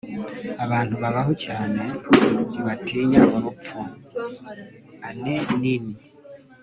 abantu babaho cyane ntibatinya urupfu. - anais nin